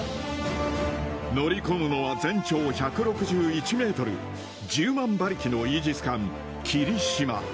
乗り込むのは全長１６１メートル、１０万馬力のイージス艦きりしま。